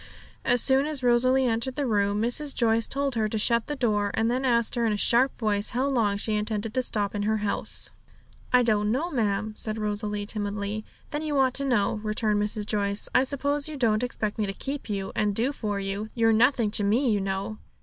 As soon as Rosalie entered the room, Mrs. Joyce told her to shut the door, and then asked her in a sharp voice how long she intended to stop in her house. 'I don't know, ma'am,' said Rosalie timidly. 'Then you ought to know,' returned Mrs. Joyce. 'I suppose you don't expect me to keep you, and do for you? You're nothing to me, you know.'